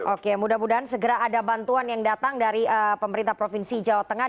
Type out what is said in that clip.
oke mudah mudahan segera ada bantuan yang datang dari pemerintah provinsi jawa tengah